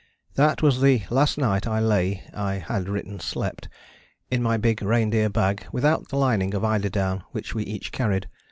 That was the last night I lay (I had written slept) in my big reindeer bag without the lining of eider down which we each carried.